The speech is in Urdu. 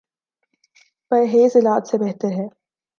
پرہیز علاج سے بہتر ہے